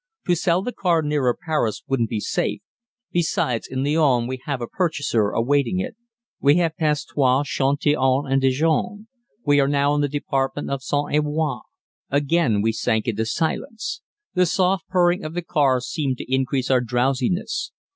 "To sell the car nearer Paris wouldn't be safe; besides, in Lyons we have a purchaser awaiting it. We have passed Troyes, Chatillon, and Dijon. We are now in the Department of Saône et Loire." Again we sank into silence. The soft purring of the car seemed to increase our drowsiness.